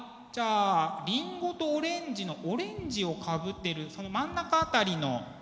じゃあ「りんごとオレンジ」のオレンジをかぶってるその真ん中辺りの。